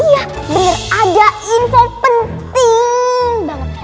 iya bener aja info penting banget